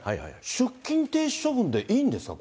出勤停止処分でいいんですか？